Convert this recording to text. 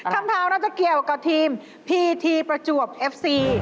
คำถามเราจะเกี่ยวกับทีมพีทีประจวบเอฟซี